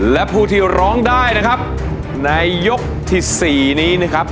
และผู้ที่ร้องได้นะครับในยกที่สี่นี้นะครับ